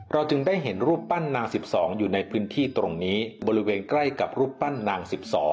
จึงได้เห็นรูปปั้นนาง๑๒อยู่ในพื้นที่ตรงนี้บริเวณใกล้กับรูปปั้นนาง๑๒